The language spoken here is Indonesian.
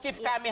harus benar nih